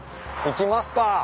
行きますか。